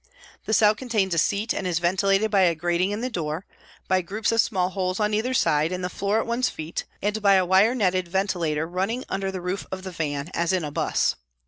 The cell contains a seat and is ventilated by a grating in the door, by groups of small holes on either side, in the floor at one's feet, and by a wire netted ventilator running under the roof of the van, as in a 'bus.